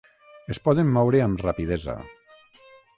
Es poden moure amb rapidesa.